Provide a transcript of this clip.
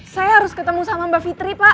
saya harus ketemu sama mbak fitri pak